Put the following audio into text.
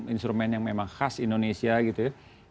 instrumen yang memang khas indonesia gitu ya